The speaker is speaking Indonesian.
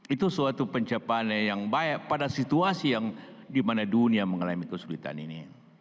itu suatu pencapaian yang baik pada situasi yang dimana dunia mengalami kesulitan ini